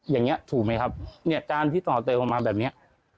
อย่างนี้ถูกไหมครับเนี่ยการที่ต่อเติมออกมาแบบนี้